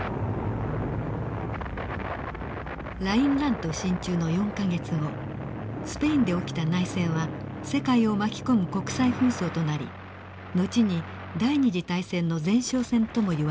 ラインラント進駐の４か月後スペインで起きた内戦は世界を巻き込む国際紛争となり後に第二次大戦の前哨戦ともいわれました。